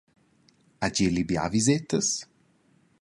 Ha Geli bia visetas?